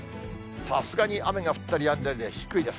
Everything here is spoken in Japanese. さすがに雨が降ったりやんだりで低いです。